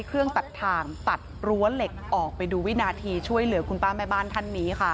เอาเลยเอาเลย